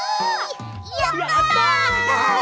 やった！